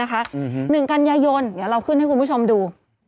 ๑กันยายนเดี๋ยวเราขึ้นให้คุณผู้ชมดู